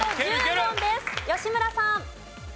吉村さん。